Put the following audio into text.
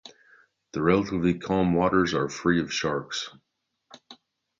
The relatively calm waters are free of sharks.